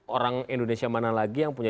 orang indonesia mana lagi yang punya